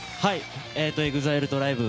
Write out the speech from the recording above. ＥＸＩＬＥＴＲＩＢＥ